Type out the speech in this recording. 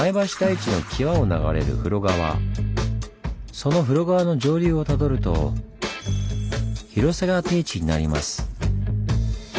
その風呂川の上流をたどると広瀬川低地になります。